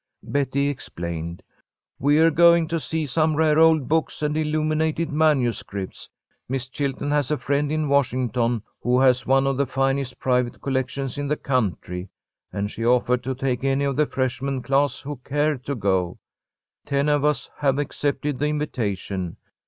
Betty explained. "We're going to see some rare old books and illuminated manuscripts. Miss Chilton has a friend in Washington who has one of the finest private collections in the country, and she offered to take any of the freshman class who cared to go. Ten of us have accepted the invitation.